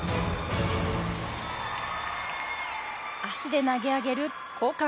足で投げ上げる交換。